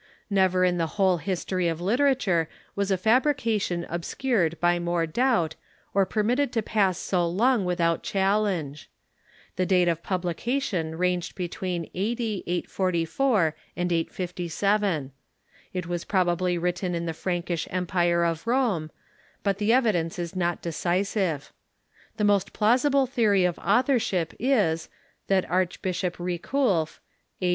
Never in the whole history of literature was a fabrication obscured by more doubt or per mitted to pass so long without challenge. The date of publi cation ranged between a.d. 844 and 857. It was probably writ ten in the Frankish Empire of Rome, but the evidence is not decisive. The most plausible theory of authorship is, that Archbishop Riculf (a.